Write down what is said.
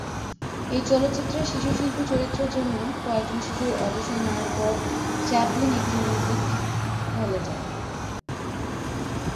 এই চলচ্চিত্রের শিশুশিল্পী চরিত্রের জন্য কয়েকজন শিশুর অডিশন নেওয়ার পর চ্যাপলিন একটি মিউজিক হলে যান।